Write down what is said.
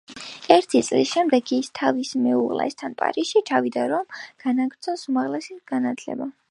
ერთი წლის შემდეგ, ის თავის მეუღლესთან პარიზში ჩავიდა, რომ განაგრძო უმაღლესი განათლება.